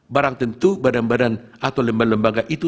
barang tentu badan badan atau lembaga lembaga itu